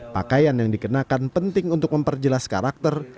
pakaian yang dikenakan penting untuk memperjelas karakter